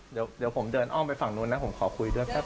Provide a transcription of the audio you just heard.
เดี๋ยวเดี๋ยวผมเดินอ้อมไปฝั่งนู้นนะผมขอคุยด้วยครับ